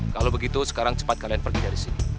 kalau begitu sekarang cepat kalian pergi dari sini